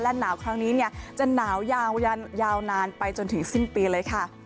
หนาวครั้งนี้จะหนาวยาวนานไปจนถึงสิ้นปีเลยค่ะ